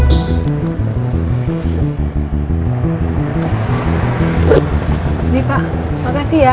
ini pak makasih ya